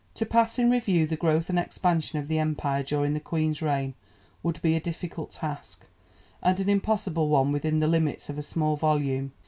To pass in review the growth and expansion of the Empire during the Queen's reign would be a difficult task, and an impossible one within the limits of a small volume.